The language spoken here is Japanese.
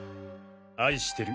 「愛してる。